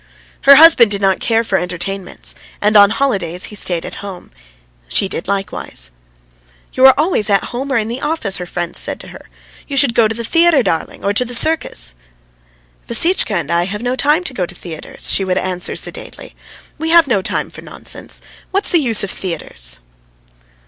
Her husband did not care for entertainments, and on holidays he stayed at home. She did likewise. "You are always at home or in the office," her friends said to her. "You should go to the theatre, darling, or to the circus." "Vassitchka and I have no time to go to theatres," she would answer sedately. "We have no time for nonsense. What's the use of these theatres?"